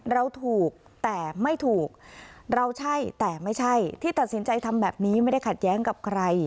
เราถูกแต่ไม่ถูกเราใช่แต่ไม่ใช่ที่ตัดสินใจทำแบบนี้ไม่ได้ขัดแย้งกับใคร